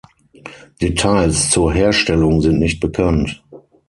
Details zur Herstellung sind nicht bekannt.